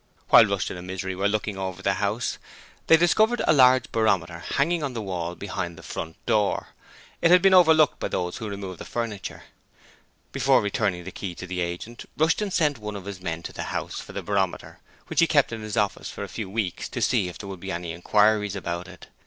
While Rushton and Misery were looking over the house they discovered a large barometer hanging on the wall behind the front door: it had been overlooked by those who removed the furniture. Before returning the key to the agent, Rushton sent one of his men to the house for the barometer, which he kept in his office for a few weeks to see if there would be any inquiries about it.